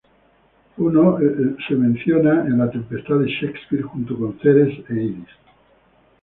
Juno es mencionada en "La Tempestad" de Shakespeare junto con Ceres e Iris.